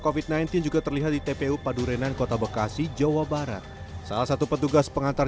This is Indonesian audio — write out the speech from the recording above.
covid sembilan belas juga terlihat di tpu padurenan kota bekasi jawa barat salah satu petugas pengantar